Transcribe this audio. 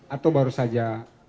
atau baru saja berlangsung